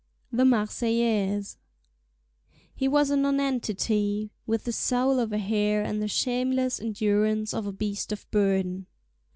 THE MARSEILLAISE He was a nonentity, with the soul of a hare and the shameless endurance of a beast of burden.